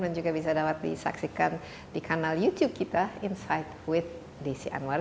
dan juga bisa dapat disaksikan di kanal youtube kita insight with desy anwar